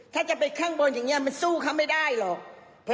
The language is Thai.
ถ้าจะไปข้างบนอย่างนี้มันสู้เขาไม่ได้หรอก